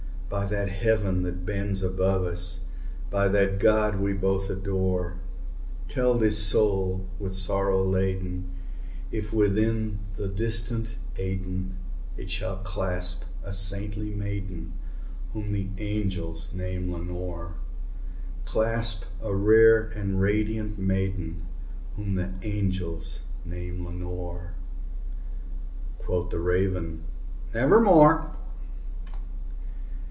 By that Heaven that bends above us by that God we both adore Tell this soul with sorrow laden if, within the distant Aidenn, It shall clasp a sainted maiden whom the angels name Lenore Clasp a rare and radiant maiden whom the angels name Lenore." Quoth the Raven, "Nevermore."